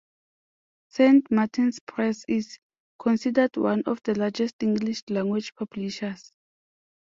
Saint Martin's Press is considered one of the largest English-language publishers.